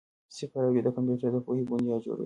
صفر او یو د کمپیوټر د پوهې بنیاد جوړوي.